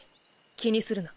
気にするな。